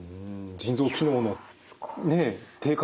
腎臓機能の低下